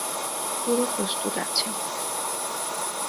পুরো প্রস্তুত আছে।